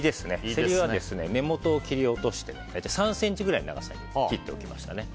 セリは、根元を切り落として大体３ｃｍくらいの長さに切っておきました。